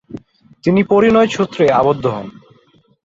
তিনি পরিণয় সূত্রে আবদ্ধ হন।